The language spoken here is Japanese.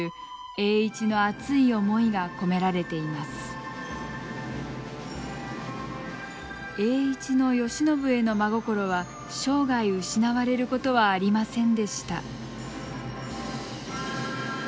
栄一の慶喜への真心は生涯失われることはありませんでした。